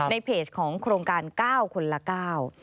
ในเพจของโครงการ๙คนละ๙